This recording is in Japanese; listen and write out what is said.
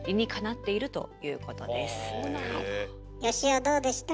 よしおどうでした？